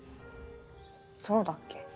そうだっけ？